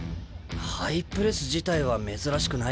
ハイプレス自体は珍しくないけどよ